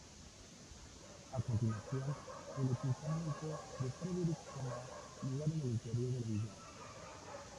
A continuación, el ocultamiento de Frederick toma lugar en el interior de la villa.